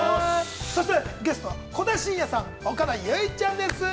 そして、ゲストは小手伸也さん、岡田結実ちゃんです。